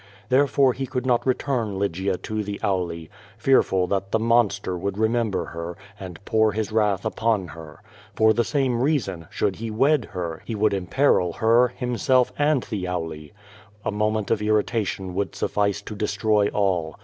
Therefore he could not return Lygia to the Auli, fearful that tlie monster would remember her, and pour his wrath upon her. For the same reason, should he wed her, lie would imperil her, himself, and the Auli. A moment of irritation would suffice to destrov all.